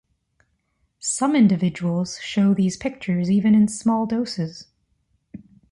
Some individuals show these pictures even in small doses.